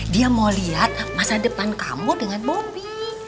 dia mau lihat masa depan kamu dengan bobi